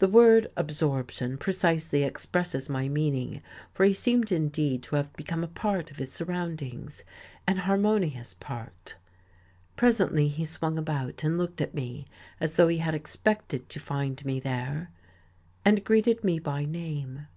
The word absorption precisely expresses my meaning, for he seemed indeed to have become a part of his surroundings, an harmonious part. Presently he swung about and looked at me as though he had expected to find me there and greeted me by name.